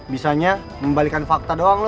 bisanya membalikan fakta doang